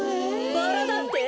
バラだって？